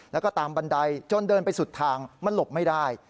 แล้วก็ตามบันไดจนเดินไปสุดทางมันหลบไม่ได้